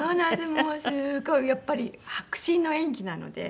もうすごいやっぱり迫真の演技なので。